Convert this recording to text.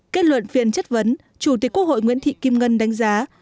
kết luận phiên chất vấn chủ tịch quốc hội nguyễn thị kim ngân đánh giá